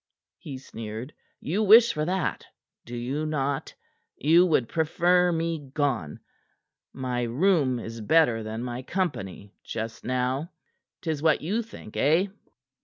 he sneered. "You wish for that, do you not? You would prefer me gone? My room is better than my company just now? 'Tis what you think, eh?"